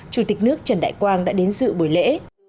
chủ tịch nước trần đại quang đã đến dự buổi lễ